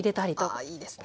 ああいいですね。